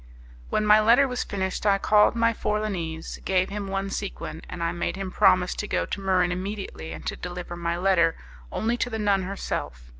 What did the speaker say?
When my letter was finished, I called my Forlanese, gave him one sequin, and I made him promise me to go to Muran immediately, and to deliver my letter only to the nun herself.